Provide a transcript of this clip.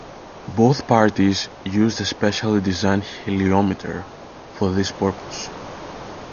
Both parties used a specially designed heliometer for this purpose.